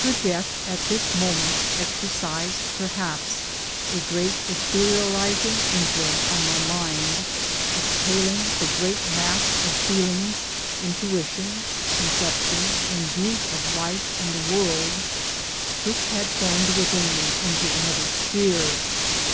Her death at this moment exercised perhaps a great etherealizing influence on my mind, exhaling the great mass of feelings, intuitions, conceptions, and views of life and the world which had formed within me, into another sphere.